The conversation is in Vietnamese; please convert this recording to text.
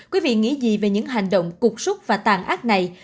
quý vị nghĩ gì về những hành động cục súc và tàn ác này